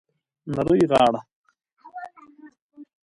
نرۍ غاړه